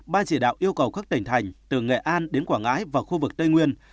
ban chỉ đạo yêu cầu các tỉnh thành từ nghệ an đến quảng ngãi và khu vực tây nguyên